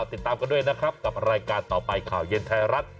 ติดตามกันด้วยนะครับกับรายการต่อไปข่าวเย็นไทยรัฐ